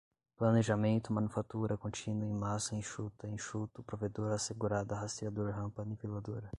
planejamento manufatura contínua em massa enxuta enxuto provedor assegurada rastreador rampa niveladora